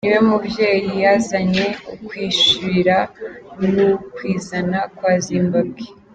Ni we muvyeyi yazanye ukwishira n'ukwizana kwa Zimbabwe.